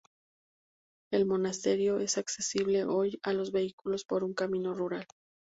El monasterio es accesible hoy a los vehículos por un camino rural.